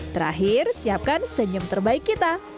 terakhir siapkan senyum terbaik kita